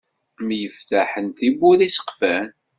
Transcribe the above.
Myeftaḥen tibbura iseqfan.